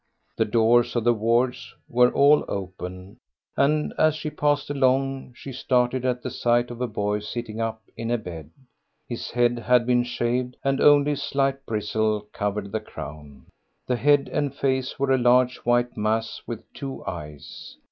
The doors of the wards were all open, and as she passed along she started at the sight of a boy sitting up in bed. His head had been shaved and only a slight bristle covered the crown. The head and face were a large white mass with two eyes.